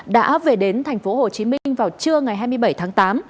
đã về đến thành phố hồ chí minh vào trưa ngày hai mươi bảy tháng tám